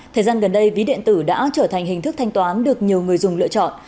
thời gian gần đây ví điện tử đã trở thành hình thức thanh toán được nhiều người dùng lựa chọn